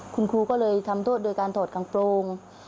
คุณครูก็เลยทำโทษโดยการถอดกลางโปรง